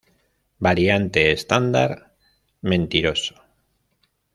Variante estándar Mentiroso.